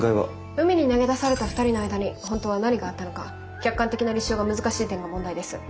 海に投げ出された２人の間に本当は何があったのか客観的な立証が難しい点が問題です。